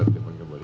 kita perlu tertip